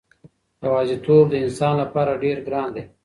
یوازېتوب د انسان لپاره ډېر ګران دی.